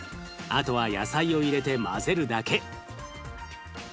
あとは野菜を入れて混ぜるだけ。